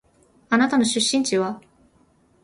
あなたの出身地は？